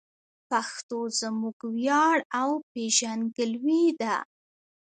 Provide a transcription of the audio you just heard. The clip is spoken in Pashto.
پښتو زموږ ویاړ او پېژندګلوي ده.